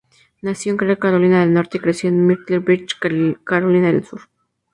Nació en Creek, Carolina del Norte y creció en Myrtle Beach, Carolina del Sur.